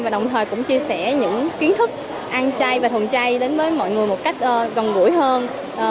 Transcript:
và đồng thời cũng chia sẻ những kiến thức ăn chay và thuần chay đến với mọi người một cách gần gũi hơn